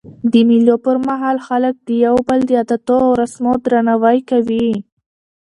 د مېلو پر مهال خلک د یو بل د عادتو او رسمو درناوی کوي.